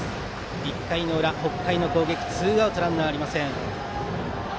１回裏、北海の攻撃ツーアウトランナーありません。